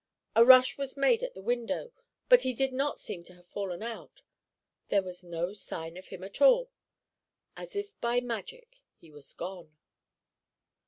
A rush was made to the window, but he did not seem to have fallen out. There was no sign of him at all. As if by magic, he was gone.